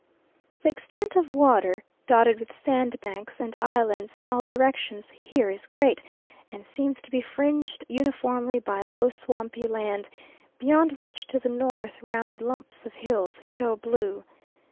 The extent of water, dotted with sandbanks and islands in all directions, here is great, and seems to be fringed uniformly by low swampy land, beyond which, to the north, rounded lumps of hills show blue.